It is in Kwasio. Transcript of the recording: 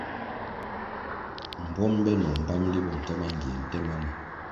Mbuom benoh mbpamli bo nke mangie nte mana.